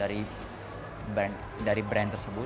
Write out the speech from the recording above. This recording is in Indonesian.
jadi kita mulai dari brand tersebut